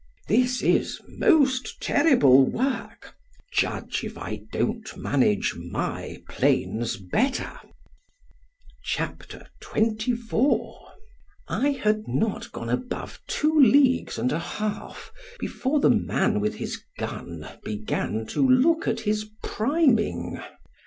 —This is most terrible work; judge if I don't manage my plains better. C H A P. XXIV I HAD not gone above two leagues and a half, before the man with his gun began to look at his priming.